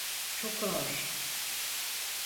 Çok ağır.